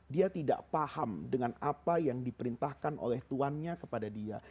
dia tidak paham dengan apa yang diperintahkan oleh tuannya kepada dia